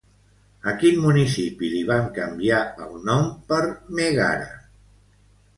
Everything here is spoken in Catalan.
A quin municipi li van canviar el nom per Mègara?